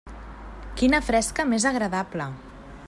Quina fresca més agradable.